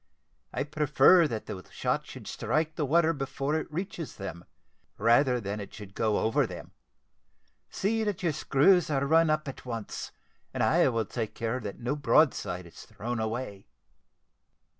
I prefer that the shot should strike the water before it reaches them, rather than it should go over them. See that your screws are run up at once, and I will take care that no broadside is thrown away.